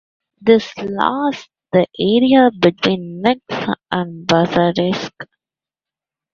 This last the area between Nis and Pazardzhik.